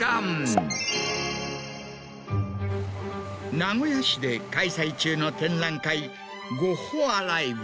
名古屋市で開催中の展覧会「ゴッホ・アライブ」。